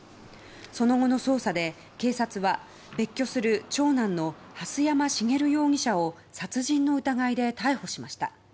その後の捜査で、警察は別居する長男の蓮山茂容疑者を殺人の疑いで逮捕しました。